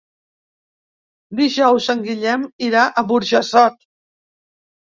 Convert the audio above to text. Dijous en Guillem irà a Burjassot.